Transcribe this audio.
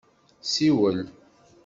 Siwel!